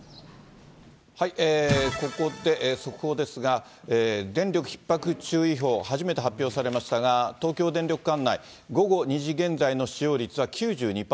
ここで速報ですが、電力ひっ迫注意報、初めて発表されましたが、東京電力管内、午後２時現在の使用率は９２％。